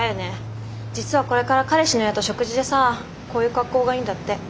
実はこれから彼氏の親と食事でさこういう格好がいいんだって。